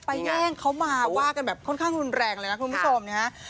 แย่งเขามาว่ากันแบบค่อนข้างรุนแรงเลยนะคุณผู้ชมนะฮะ